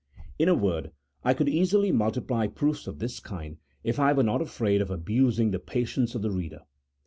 In a word, I could easily multiply proofs of this kind if I were not afraid of abusing the patience of the reader.